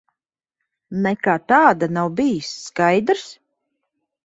Nekā tāda nav bijis. Skaidrs?